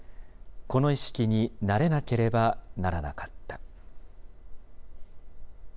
この意識に慣れなければならなかった。